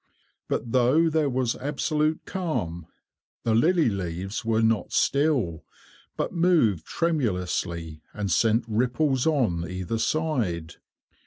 But though there was absolute calm, the lily leaves were not still, but moved tremulously, and sent ripples on either side.